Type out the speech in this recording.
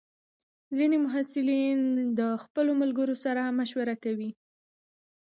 ځینې محصلین د خپلو ملګرو سره مشوره کوي.